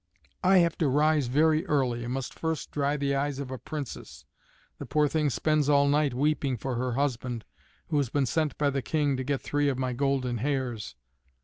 I have to rise very early, and must first dry the eyes of a Princess. The poor thing spends all night weeping for her husband who has been sent by the King to get three of my golden hairs."